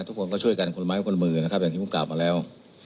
ทุกคนก็ช่วยกันคนไหมกันคนมือนะครับแบบนี้ผมตาเมานแล้ว